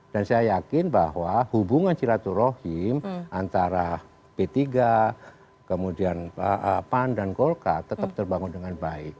dan saya yakin bahwa hubungan ciraturrohim antara p tiga kemudian pan dan golkar tetap terbangun dengan baik